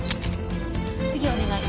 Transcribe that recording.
次お願い。